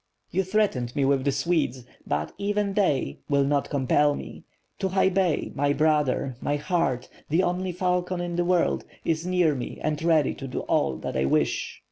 You threatened me with the Swedes, but, even tliey, will not compel me. Tukhay Bey, my brother, my heart, tlie only falcon in the world, is near me and ready to do all that I wish."